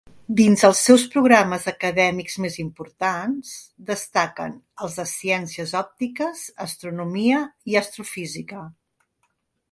Dins dels seus programes acadèmics més importants, destaquen els de ciències òptiques, astronomia i astrofísica.